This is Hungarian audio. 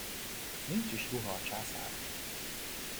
Nincs is ruha a császáron!